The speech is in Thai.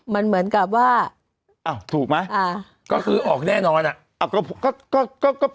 มันเหมือนกับว่าอ้าวถูกไหมอ่าก็คือออกแน่นอนอ่ะ